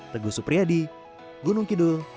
teguh supriyadi gunung kidul